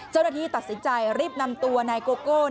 เจ้าหน้าที่ตัดสินใจรีบนำตัวนายโกโก้